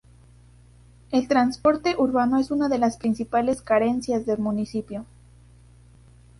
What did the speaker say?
El transporte urbano es una de las principales carencias del municipio.